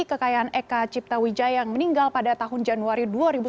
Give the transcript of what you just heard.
kekayaan eka cipta wijaya yang meninggal pada tahun januari dua ribu sembilan belas